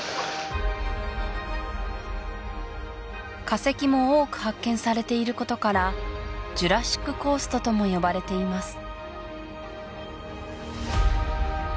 化石も多く発見されていることからジュラシックコーストとも呼ばれています